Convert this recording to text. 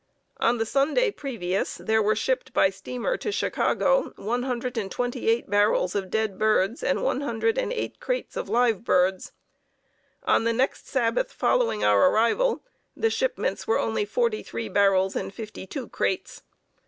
On the Sunday previous there were shipped by steamer to Chicago 128 barrels of dead birds and 108 crates of live birds. On the next Sabbath following our arrival the shipments were only forty three barrels and fifty two crates.